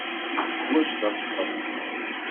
Tiziri teḥwaj tasfeḍt.